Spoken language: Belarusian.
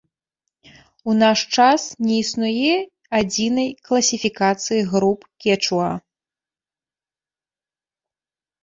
У наш час не існуе адзінай класіфікацыі груп кечуа.